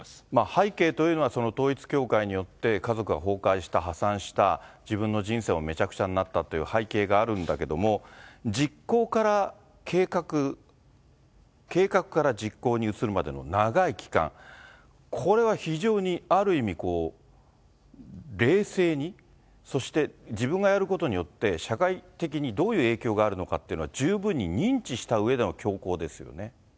背景というのは、その統一教会によって家族が崩壊した、破産した、自分の人生がめちゃくちゃになったという背景があるんだけれども、実行から計画、計画から実行に移るまでの長い期間、これは非常にある意味、冷静に、そして自分がやることによって社会的にどういう影響があるのかっていうのは十分に認知したうえでの凶行ですよね。